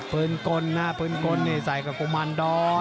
พื้นกลนะพื้นกลเนี่ยใส่กับกุมารดอย